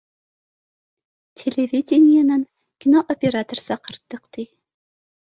Телевидениенан кинооператор саҡырттыҡ, ти